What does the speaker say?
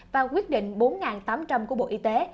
và quyết định bốn tám trăm linh của bộ y tế